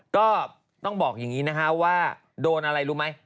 ก็ต้องบอกอย่างนี้นะคะว่าโดนอะไรรู้ไหม